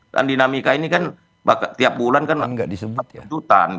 dan dinamika ini kan tiap bulan kan kebutuhan